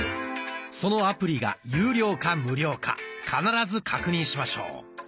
そのアプリが有料か無料か必ず確認しましょう。